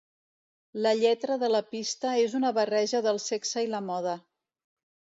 La lletra de la pista és una barreja del sexe i la moda.